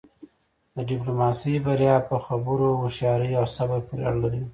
د ډیپلوماسی بریا په خبرو، هوښیارۍ او صبر پورې اړه لری.